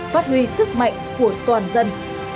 phát huy sức mạnh của toàn dân